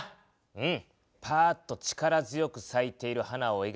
うん。